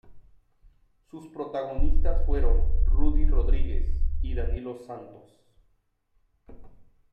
Sus protagonistas fueron Ruddy Rodríguez y Danilo Santos.